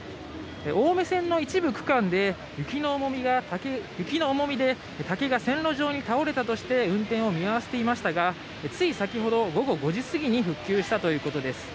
青梅線の一部区間で雪の重みで竹が線路上に倒れたとして運転を見合わせていましたがつい先ほど午後５時過ぎに復旧したということです。